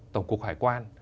tổng cục hải quan